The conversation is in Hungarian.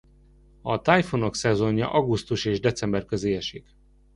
A tájfunok szezonja augusztus és december közé esik.